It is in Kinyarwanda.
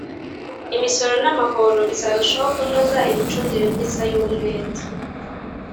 imisoro n'amahoro bizarushaho kunoza imicungire myiza y'umwenda.